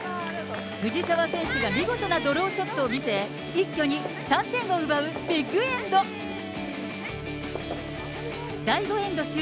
藤澤選手が見事なドローショットを見せ、一挙に３点を奪うビッグエンド。